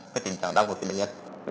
cái trình trạng đau ngực của bệnh nhân